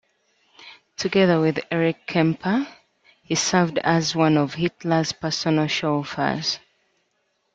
Together with Erich Kempka, he served as one of Hitler's personal chauffeurs.